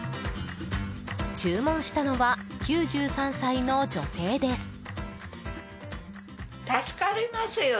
注文したのは９３歳の女性です。